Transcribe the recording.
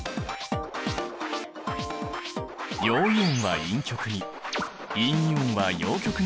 陽イオンは陰極に陰イオンは陽極に引き寄せられる。